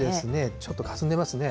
ちょっとかすんでますね。